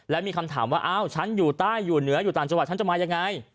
และมีคำถามว่าอ้าวฉันอยู่ใต้อยู่เหนืออยู่ต่างจังหวัดฉันจะมายังไง